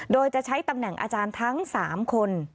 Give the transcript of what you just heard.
โดยจะใช้ตำแหน่งอาจารย์ทั้ง๓คน